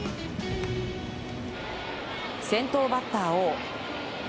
先頭バッターを。